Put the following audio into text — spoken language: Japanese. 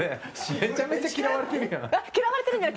めちゃめちゃ嫌われてんじゃん。